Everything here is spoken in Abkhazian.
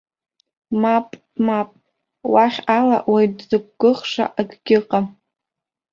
Мап, мап, уахь ала уаҩ дзықәгәыӷша акгьы ыҟам!